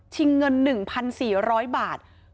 เงิน๑๔๐๐บาท